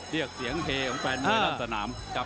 เรียกเสียงเพลงแฟนมือลัดสนาม